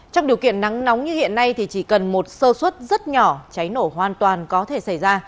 trong điều kiện nắng nóng như hiện nay thì chỉ cần một sơ suất rất nhỏ cháy nổ hoàn toàn có thể xảy ra